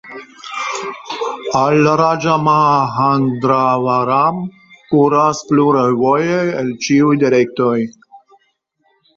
Al Raĝamahendravaram kuras pluraj vojoj el ĉiuj direktoj.